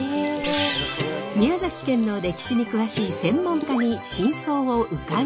宮崎県の歴史に詳しい専門家に真相を伺うと。